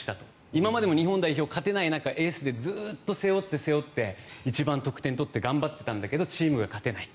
今までも日本代表勝てない中エースでずっと背負って背負って一番得点を取って頑張っていたんだけどチームが勝てない。